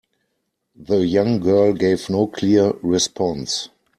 The young girl gave no clear response.